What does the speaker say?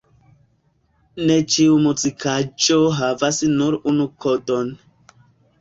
Ne ĉiu muzikaĵo havas nur unu kodon.